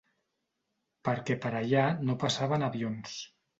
Perquè per allà no passaven avions.